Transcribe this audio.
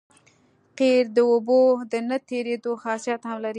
قیر د اوبو د نه تېرېدو خاصیت هم لري